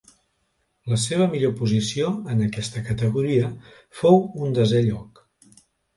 La seva millor posició en aquesta categoria fou un desè lloc.